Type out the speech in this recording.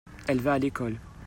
elle va à lécole.